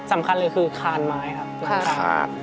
สำคัญเลยคือคานไม้ครับ